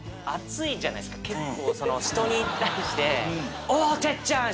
結構人に対して。